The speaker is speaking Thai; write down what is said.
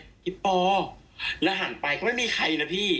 พี่ปอแล้วหันไปก็ไม่มีใครนะพี่